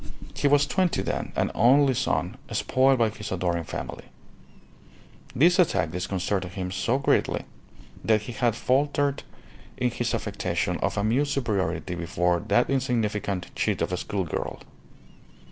He was twenty then, an only son, spoiled by his adoring family. This attack disconcerted him so greatly that he had faltered in his affectation of amused superiority before that insignificant chit of a school girl.